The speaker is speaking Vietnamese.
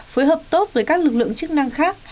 phối hợp tốt với các lực lượng chức năng khác